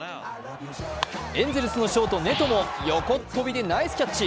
エンゼルスのショート・ネトも横っ飛びでナイスキャッチ。